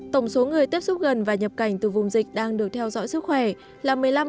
tổng số người tiếp xúc gần và nhập cảnh từ vùng dịch đang được theo dõi sức khỏe là một mươi năm